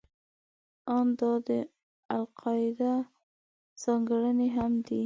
ان دا د القاعده ځانګړنې هم دي.